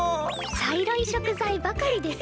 茶色い食材ばかりですね。